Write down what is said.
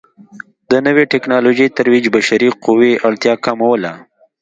د نوې ټکنالوژۍ ترویج بشري قوې اړتیا کموله.